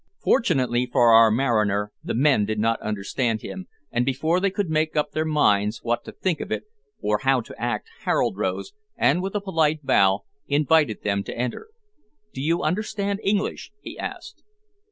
Fortunately for our mariner the men did not understand him, and before they could make up their minds what to think of it, or how to act Harold rose, and, with a polite bow, invited them to enter. "Do you understand English?" he asked.